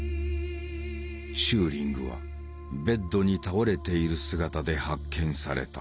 チューリングはベッドに倒れている姿で発見された。